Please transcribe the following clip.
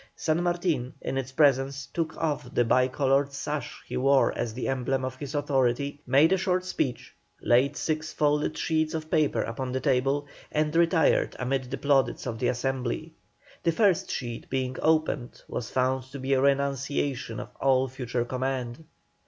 San Martin, in its presence, took off the bi coloured sash he wore as the emblem of his authority, made a short speech, laid six folded sheets of paper upon the table, and retired amid the plaudits of the Assembly. The first sheet being opened was found to be a renunciation of all future command.